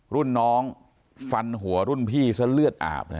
รุ่นน้องฟันหัวรุ่นพี่ซะเลือดอาบเลย